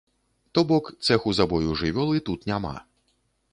То бок, цэху забою жывёлы тут няма.